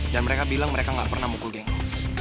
dan mereka bilang mereka gak pernah mukul geng lu